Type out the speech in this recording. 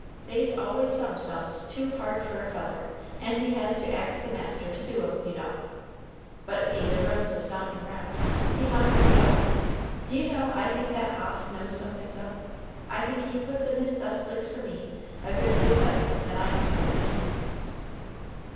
They's always some sums too hard fer a feller, and he has to ax the master to do 'em, you know. But see, the roan's a stomping round. He wants to be off. Do you know I think that hoss knows something's up? I think he puts in his best licks fer me a good deal better than I do fer Him."